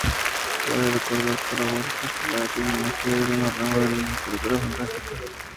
Vale recordar que, para Borges, la teología era "una rama de la literatura fantástica".